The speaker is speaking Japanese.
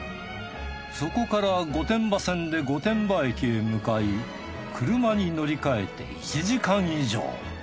そこから御殿場線で御殿場駅へ向かい車に乗り換えて１時間以上。